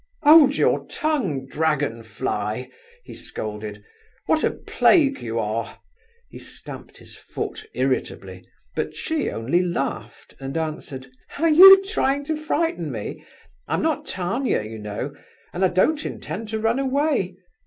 "Hold your tongue, dragon fly!" he scolded. "What a plague you are!" He stamped his foot irritably, but she only laughed, and answered: "Are you trying to frighten me? I am not Tania, you know, and I don't intend to run away.